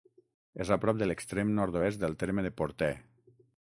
És a prop de l'extrem nord-oest del terme de Portè.